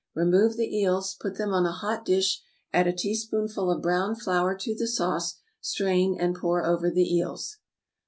Remove the eels, put them on a hot dish, add a teaspoonful of browned flour to the sauce, strain, and pour over the eels.